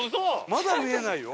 まだ見えないよ。